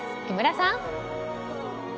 木村さん！